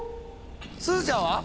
すずちゃんは？